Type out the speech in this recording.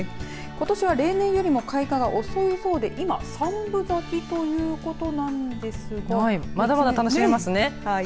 ことしは例年よりも開花が遅い方で今、三分咲きということなのですがまだまだ楽しめますね。